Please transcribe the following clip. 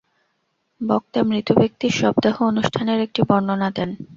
বক্তা মৃত ব্যক্তির শবদাহ-অনুষ্ঠানের একটি বর্ণনা দেন।